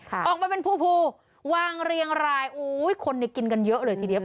ค่ะออกมาเป็นภูวางเรียงรายโอ้ยคนเนี่ยกินกันเยอะเลยทีเดียว